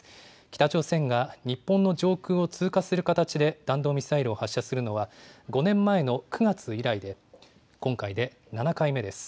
北朝鮮が日本の上空を通過する形で弾道ミサイルを発射するのは５年前の９月以来で、今回で７回目です。